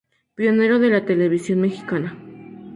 Pionero de la televisión mexicana.